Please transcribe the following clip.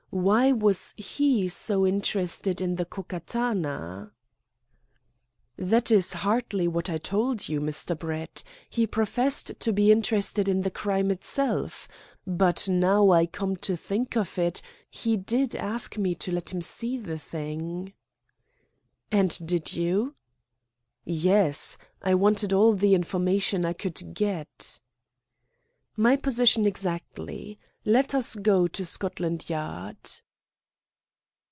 Why was he so interested in the Ko Katana?" "That is hardly what I told you, Mr. Brett. He professed to be interested in the crime itself. But now I come to think of it, he did ask me to let him see the thing." "And did you?" "Yes; I wanted all the information I could get." "My position exactly. Let us go to Scotland Yard."